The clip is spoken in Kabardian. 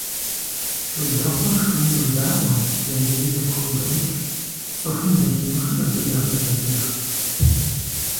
Щолэхъур шум йодаӀуэ, езыри зэпходэӏукӏ; цӀыхум зэхимыхыр абы япэ зэхех.